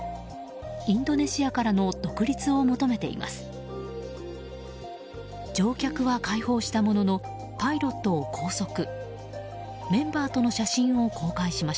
インドネシアからの独立を求めています。